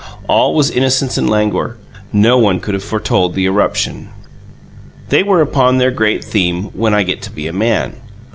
All was innocence and languor; no one could have foretold the eruption. They were upon their great theme: "When I get to be a man!"